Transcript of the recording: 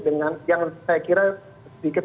dengan yang saya kira sedikit